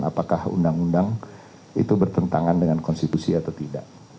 apakah undang undang itu bertentangan dengan konstitusi atau tidak